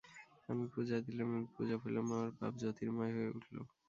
আমি পূজা দিলেম, আমি পূজা পেলেম, আমার পাপ জ্যোতির্ময় হয়ে উঠল।